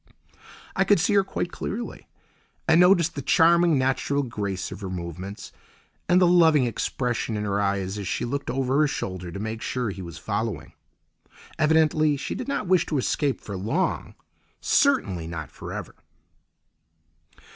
I could see her quite clearly, and noticed the charming, natural grace of her movements, and the loving expression in her eyes as she looked over her shoulder to make sure he was following. Evidently, she did not wish to escape for long, certainly not for ever.